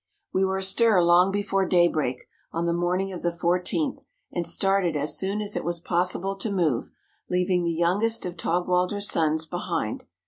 We were astir long before daybreak, on the morning of the 14th, and started as soon as it was possible to move, leaving the youngest of Taug walder's sons behind.